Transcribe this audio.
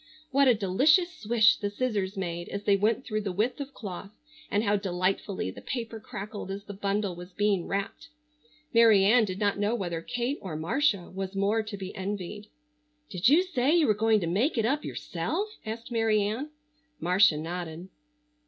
What a delicious swish the scissors made as they went through the width of cloth, and how delightfully the paper crackled as the bundle was being wrapped! Mary Ann did not know whether Kate or Marcia was more to be envied. "Did you say you were going to make it up yourself?" asked Mary Ann. Marcia nodded.